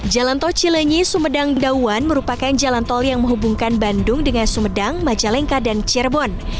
jalan tol cilenyi sumedang dawan merupakan jalan tol yang menghubungkan bandung dengan sumedang majalengka dan cirebon